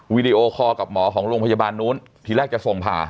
วิดีโอคอลกับหมอของโรงพยาบาลนู้นทีแรกจะส่งผ่า